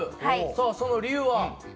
さあその理由は？